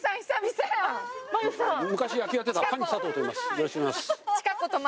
よろしくお願いします。